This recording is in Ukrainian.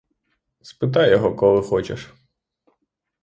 Спитай його, коли хочеш.